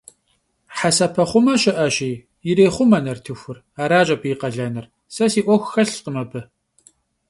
Hesepexhume şı'eşi, yirêxhume nartıxur, araş abı yi khalenır, se si 'uexu xelhkhım abı.